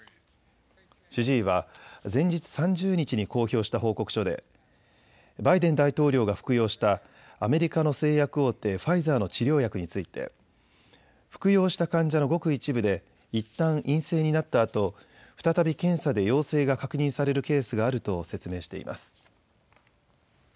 主治医は前日３０日に公表した報告書でバイデン大統領が服用したアメリカの製薬大手ファイザーの治療薬について服用した患者のごく一部でいったん陰性になったあと再び検査で陽性が確認されるケースがあると説明しています。